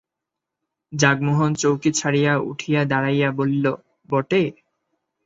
জগমোহন চৌকি ছাড়িয়া উঠিয়া দাঁড়াইয়া বলিলেন, বটে!